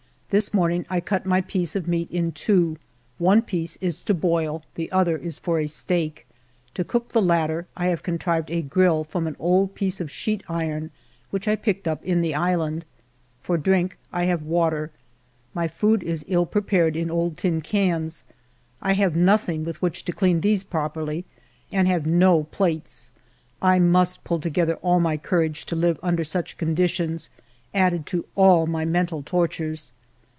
This morning I cut my piece of meat in two : one piece is to boil ; the other is for a steak. To cook the latter, I have contrived a grill from an old piece of sheet iron which I picked up in ALFRED DREYFUS 117 the island. For drink, I have water. My food is ill prepared in old tin cans. I have nothing with which to clean these properly, and have no plates. I must pull together all my courage to live under such conditions, added to all my mental tortures.